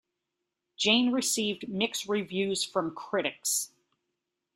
Jane received mixed reviews from critics.